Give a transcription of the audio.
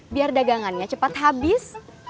biar dagangannya cepat habis